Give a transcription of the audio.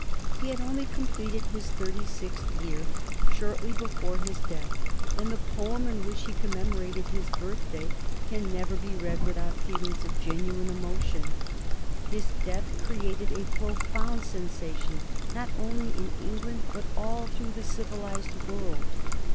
He had only completed his thirty sixth year shortly before his death, and the poem in which he commemorated his birthday can never be read without feelings of genuine emotion. His death created a profound sensation, not only in England, but all through the civilized world.